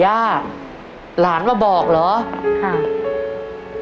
ย่าหลานมาบอกเหรอค่ะ